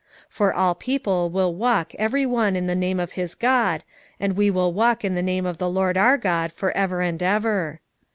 4:5 For all people will walk every one in the name of his god, and we will walk in the name of the LORD our God for ever and ever.